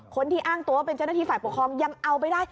คนที่อ้างตัวว่าเป็นเจ้าหน้าที่ฝ่ายปกครองยังเอาไปได้